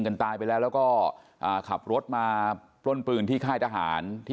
ใครจะไปรู้ใครจะไปเฉลี่ยวใจ